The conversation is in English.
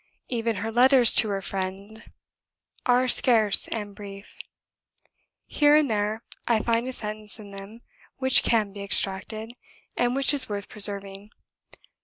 Even her letters to her friend are scarce and brief. Here and there I find a sentence in them which can be extracted, and which is worth preserving.